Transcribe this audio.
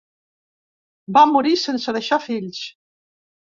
Va morir sense deixar fills.